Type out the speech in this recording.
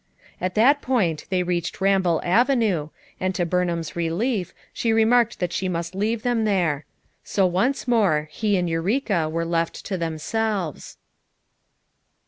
At that point they reached Ramble Avenue, and to Burnham's relief she remarked that she must leave them there; so once more he and Eureka were left to them selves.